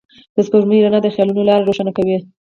د سپوږمۍ رڼا د خيالونو لاره روښانه کوي.